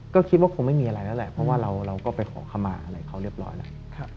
ก็คิดว่าคงไม่มีอะไรแล้วแหละเพราะว่าเราก็ไปขอขมาอะไรเขาเรียบร้อยแล้ว